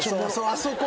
あそこ。